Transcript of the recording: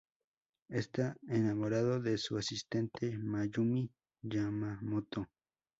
Está enamorado de su asistente, Mayumi Yamamoto.